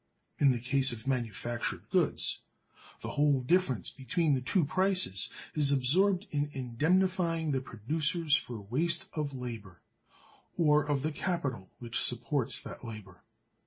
In the case of manufactured goods the whole difference between the two prices is absorbed in indemnifying the producers for waste of labor, or of the capital which supports that labor.